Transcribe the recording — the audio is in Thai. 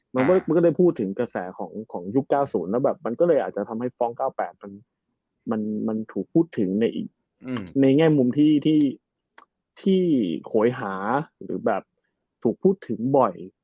มันก็ได้พูดถึงกระแสของยุค๙๐แล้วแบบมันก็เลยอาจจะทำให้ฟ้อง๙๘มันถูกพูดถึงในแง่มุมที่โหยหาหรือแบบถูกพูดถึงบ่อย